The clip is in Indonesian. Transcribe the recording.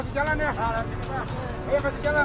kasih jalan kasih jalan ayo